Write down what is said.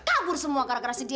kabur semua gara gara si dia